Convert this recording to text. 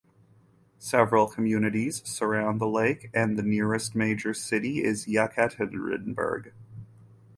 Several communities surround the lake and the nearest major city is Yekaterinburg.